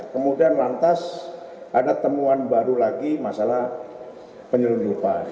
kemudian lantas ada temuan baru lagi masalah penyelundupan